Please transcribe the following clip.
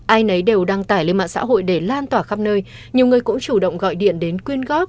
ai nấy đều đăng tải lên mạng xã hội để lan tỏa khắp nơi nhiều người cũng chủ động gọi điện đến quyên góp